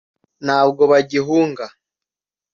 ntabwo bagihunga